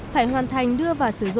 phải hoàn thành đưa và sử dụng